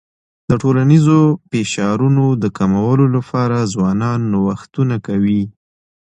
د ټولنیزو فشارونو د کمولو لپاره ځوانان نوښتونه کوي.